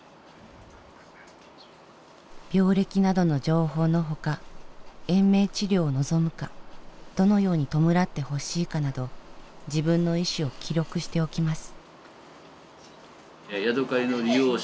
病歴などの情報の他延命治療を望むかどのように弔ってほしいかなど自分の意思を記録しておきます。